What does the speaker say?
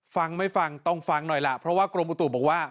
ฟังไม่ฟังต้องฟังหน่อยล่ะเพราะว่ากรมอุตุบอกว่า